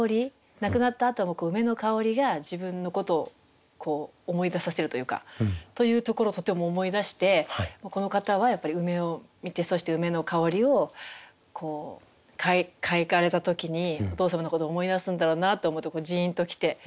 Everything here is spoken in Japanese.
亡くなったあとも梅の香りが自分のことを思い出させるというか。というところをとても思い出してこの方はやっぱり梅を観てそして梅の香りをこう嗅がれた時にお父様のことを思い出すんだろうなと思うとじんと来て。